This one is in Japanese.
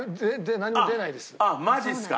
あっマジっすか？